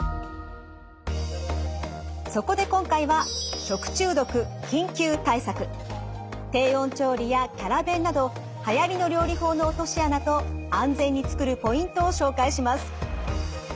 そこで今回は低温調理やキャラ弁などはやりの料理法の落とし穴と安全に作るポイントを紹介します。